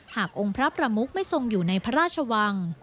องค์พระประมุกไม่ทรงอยู่ในพระราชวัง